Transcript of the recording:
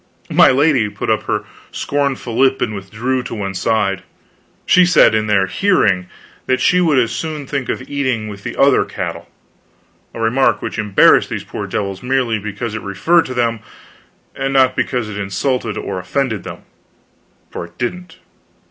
My lady put up her scornful lip and withdrew to one side; she said in their hearing that she would as soon think of eating with the other cattle a remark which embarrassed these poor devils merely because it referred to them, and not because it insulted or offended them, for it didn't.